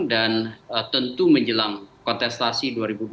dan tentu menjelang kontestasi dua ribu dua puluh empat